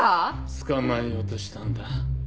捕まえようとしたんだ。